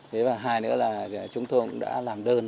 thế và hai nữa là chúng tôi cũng đã làm đơn